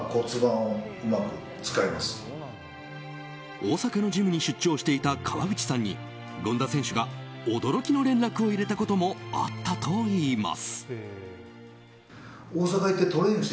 大阪のジムに出張していた河口さんに権田選手が驚きの連絡を入れたこともあったといいます。